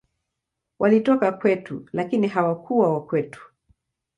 Walitoka kwetu, lakini hawakuwa wa kwetu.